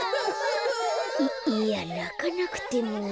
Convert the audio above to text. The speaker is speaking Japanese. いやなかなくても。